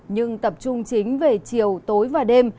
nhưng tập trung chính về chiều tối và đêm